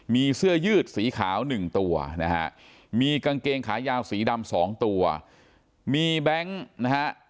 มีเสื้อยืดสีขาวหนึ่งตัวนะฮะมีกางเกงขายาวสีดำสองตัวมีแบงค์นะฮะ